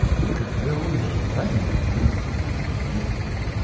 He could build the frame work beautifully at any rate.